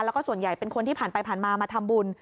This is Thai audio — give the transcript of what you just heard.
แล้วก็ส่วนใหญ่เป็นคนที่ผ่านไปผ่านมามาทำบุญ